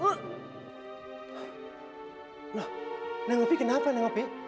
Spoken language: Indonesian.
nah nang opi kenapa